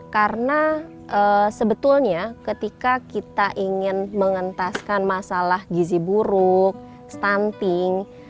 karena sebetulnya ketika kita ingin mengentaskan masalah gizi buruk stunting